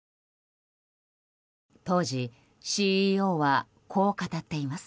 当時、ＣＥＯはこう語っています。